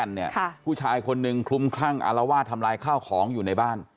เหมือนกันผู้ชายคนหนึ่งคลุมครั่งอารวาดทำร้ายข้าวของอยู่ในบ้าน